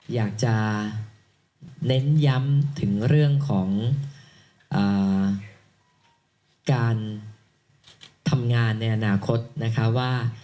อยากจะเน้นย้ำถึงเรื่องของการทำงานในอนาคตนะคะว่า